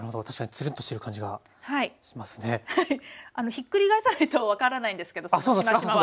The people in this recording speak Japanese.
ひっくり返さないと分からないんですけどしましまは。